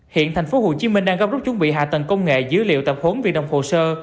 hiện thành phố hồ chí minh đang góp rút chuẩn bị hạ tầng công nghệ dữ liệu tạp hốn viên đồng hồ sơ